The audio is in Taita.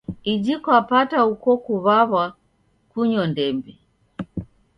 Iji kwapata uko kuw'aw'a kunyo ndembe.